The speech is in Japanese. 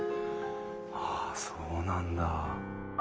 ああそうなんだ。